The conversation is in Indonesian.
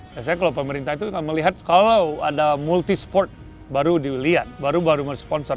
biasanya kalau pemerintah itu melihat kalau ada multi sport baru dilihat baru baru sponsor